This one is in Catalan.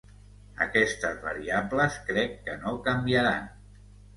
Aquestes variables crec que no canviaran.